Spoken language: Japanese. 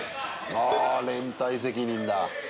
あ、連帯責任だ。